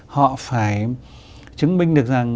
họ phải chứng minh được rằng